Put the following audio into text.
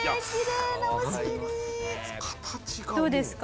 どうですか？